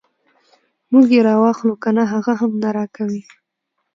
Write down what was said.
موږ یې راواخلو کنه هغه هم نه راکوي.